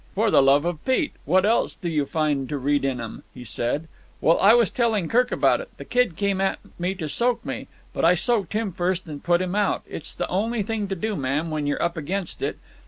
"For the love of Pete! What else do you find to read in 'em?" he said. "Well, I was telling Kirk about it. The Kid came at me to soak me, but I soaked him first and put him out. It's the only thing to do, ma'am, when you're up against it.